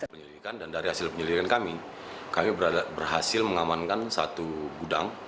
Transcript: penyelidikan dan dari hasil penyelidikan kami kami berhasil mengamankan satu gudang